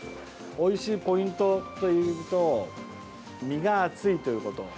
おいしいポイントというと身が厚いということ